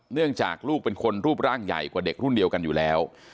เนื่องจากลูกเป็นคนรูปร่างใหญ่กว่าเด็กรุ่นเดียวกันอยู่แล้ว